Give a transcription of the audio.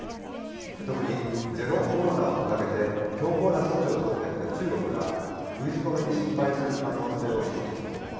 特にゼロコロナを掲げて強硬な措置を取ってきた中国が封じ込めに失敗する可能性を指摘。